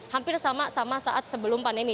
hampir sama sama saat sebelum pandemi